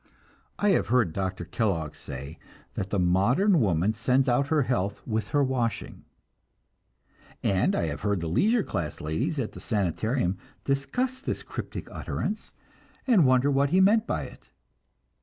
I have heard Dr. Kellogg say that the modern woman sends out her health with her washing, and I have heard the leisure class ladies at the Sanitarium discuss this cryptic utterance and wonder what he meant by it.